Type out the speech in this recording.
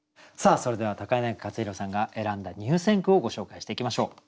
それでは柳克弘さんが選んだ入選句をご紹介していきましょう。